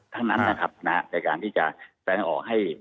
ทั้งนั้นนะครับในการที่จะแสดงออกให้